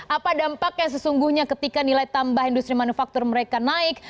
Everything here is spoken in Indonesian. apa dampaknya sesungguhnya ketika nilai tambah industri manufaktur mereka naik